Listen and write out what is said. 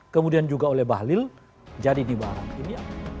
kemudian juga oleh bahlil jadi ini barang